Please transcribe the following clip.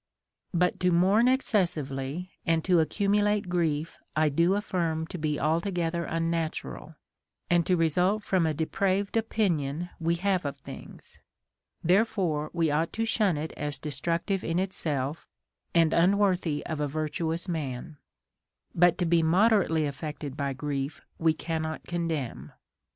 But to mourn excessively and to accumulate grief I do afhrm to be altog^ether unnatural, and to result from a depraved opinion we have of things ; therefore Ave ought to shun it as de structive in itself, and unworthy of a virtuous man ; but to be moderately affected by grief we cannot condemn.